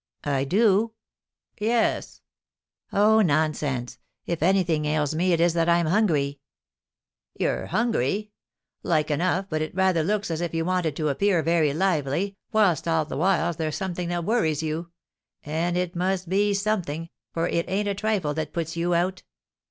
"I do?" "Yes." "Oh, nonsense! If anything ails me it is that I'm hungry." "You're hungry? Like enough; but it rather looks as if you wanted to appear very lively, whilst all the while there's something that worries you; and it must be something, for it ain't a trifle that puts you out."